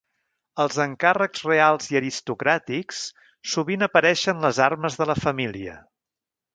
Als encàrrecs reals i aristocràtics sovint apareixen les armes de la família.